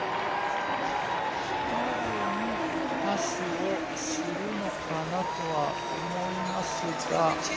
多分、パスをするのかなと思いますが。